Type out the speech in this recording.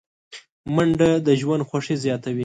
منډه د ژوند خوښي زیاتوي